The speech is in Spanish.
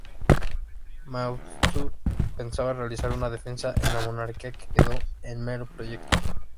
Maeztu pensaba realizar una "Defensa de la Monarquía", que quedó en mero proyecto.